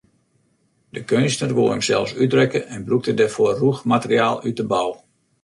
De keunstner woe himsels útdrukke en brûkte dêrfoar rûch materiaal út de bou.